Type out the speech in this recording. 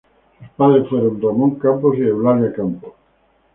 Sus padres fueron Ramón Campos y Eulalia Campos.